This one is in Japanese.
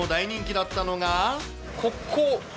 ここ。